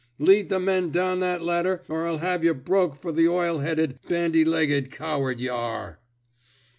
Lead the men down that ladder, or I'll have yuh broke fer th' oily headed, bandy legged coward y' are!